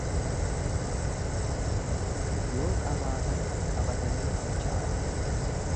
Yoo qabaatan qabatanii fincaa'u.